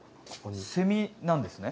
セミなんですね？